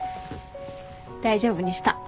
大丈夫にした。